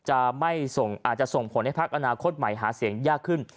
อาจจะส่งผลให้พักอนาคตใหม่หาเสียงยากขึ้น